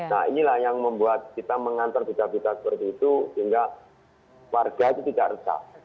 nah inilah yang membuat kita mengantar berita berita seperti itu sehingga warga itu tidak resah